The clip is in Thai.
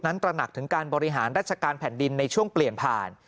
ตระหนักถึงการบริหารราชการแผ่นดินในช่วงเปลี่ยนผ่าน